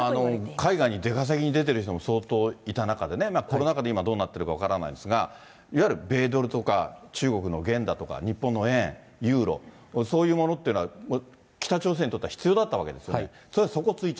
海外に出稼ぎに出てる人も相当いた中でね、コロナ禍で今どうなっているか分からないですが、いわゆる米ドルとか中国の元だとか、日本の円、ユーロ、そういうものっていうのは、北朝鮮にとっては必要だったわけですよね。